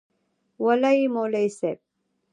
وله یی مولوی صیب.